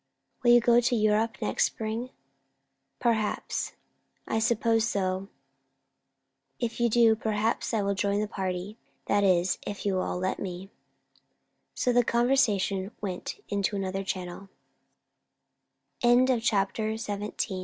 "Will you go to Europe next spring?" "Perhaps. I suppose so." "If you do, perhaps I will join the party that is, if you will all let me." So the conversation went over into another channel. CHAPTER XVIII. MR.